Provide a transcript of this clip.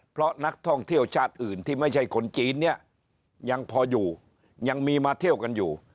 เพราะนักท่องเที่ยวชาติอื่นที่ไม่ใช่คนจีนเนี่ยยังพออยู่ยังมีมาเที่ยวกันอยู่